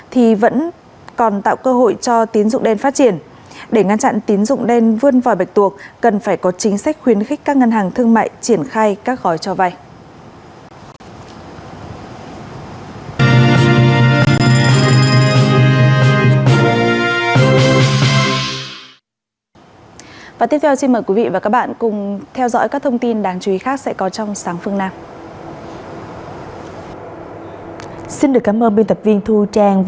thì vẫn còn tạo cơ hội cho tín dụng đen phát triển để ngăn chặn tín dụng đen vươn vòi bạch tuộc cần phải có chính sách khuyến khích các ngân hàng thương mại triển khai các gói cho vay